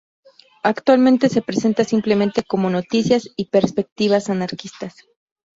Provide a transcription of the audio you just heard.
Actualmente se presenta simplemente como "noticias y perspectivas anarquistas".